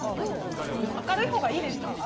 明るいほうがいいですか？